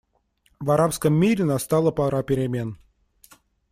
В арабском мире настала пора перемен.